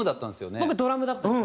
僕ドラムだったんです。